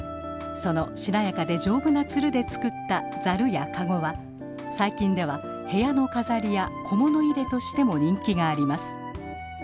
そのしなやかで丈夫なツルで作ったザルやカゴは最近では部屋の飾りや小物入れとしても人気があります。